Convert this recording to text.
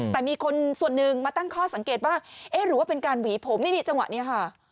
แต่มีคนส่วนหนึ่งมาตั้งข้อสังเกตว่าเอ๊ะหรือว่าเป็นการหวีผมนี่จังหวะนี้ค่ะ